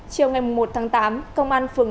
chiều ngày một tháng tám công an phường